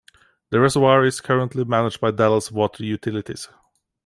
The reservoir is currently managed by Dallas Water Utilities.